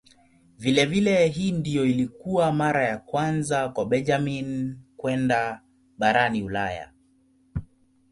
Vilevile hii ndiyo ilikuwa mara ya kwanza kwa Benjamin kwenda barani Ulaya.